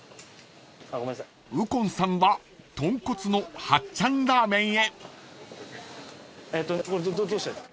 ［右近さんはとんこつの八ちゃんラーメンへ］